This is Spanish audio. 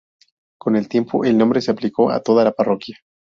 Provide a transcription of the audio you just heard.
Con el tiempo el nombre se aplicó a toda la parroquia.